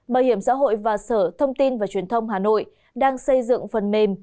bảo hiểm xã hội và sở thông tin và truyền thông hà nội đang xây dựng phần mềm